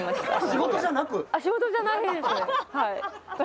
仕事じゃなく？